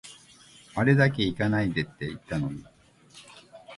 あれだけ行かないでって言ったのに